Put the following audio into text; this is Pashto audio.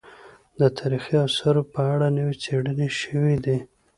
د تاريخي اثارو په اړه نوې څېړنې شوې دي.